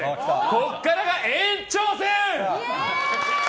ここからが延長戦！